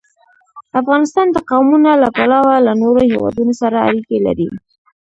افغانستان د قومونه له پلوه له نورو هېوادونو سره اړیکې لري.